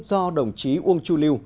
do đồng chí uông chu lưu